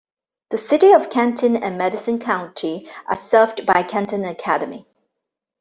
The city of Canton and Madison County are served by Canton Academy.